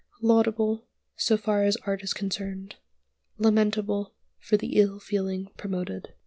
Laudable, so far as art is concerned; lamentable for the ill feeling promoted.